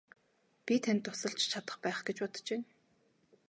Би танд тусалж чадах байх гэж бодож байна.